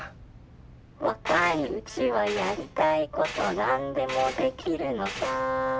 「若いうちはやりたいこと何でもできるのさ」。